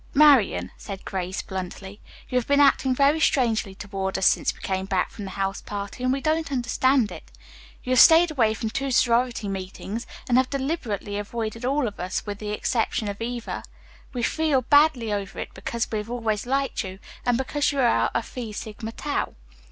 "Marian," said Grace bluntly, "you have been acting very strangely toward us since we came back from the house party, and we don't understand it. You have stayed away from two sorority meetings and have deliberately avoided all of us, with the exception of Eva. We feel badly over it, because we have always liked you, and because you are a Phi Sigma Tau."